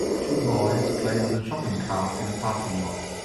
Two boys play with a shopping cart in a parking lot.